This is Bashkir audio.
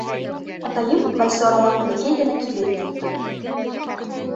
Атайым Бальсорала бәләкәй генә кибет тотто.